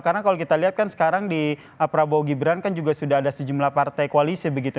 karena kalau kita lihat kan sekarang di prabowo gibran kan juga sudah ada sejumlah partai koalisi begitu